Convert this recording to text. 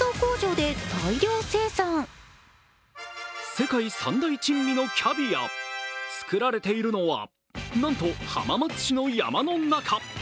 世界三大珍味のキャビア作られているのはなんと浜松市の山の中。